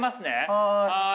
はい。